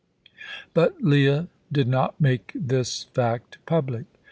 But Leah did not make this fact public.